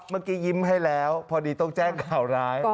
เมื่อกี้ยิ้มให้แล้วพอดีต้องแจ้งข่าวร้าย